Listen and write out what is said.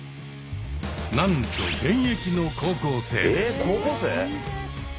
なんと現役の高校生です。